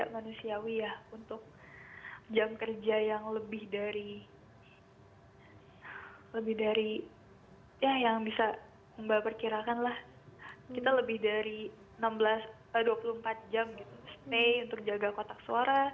mau bekerja sebagai petugas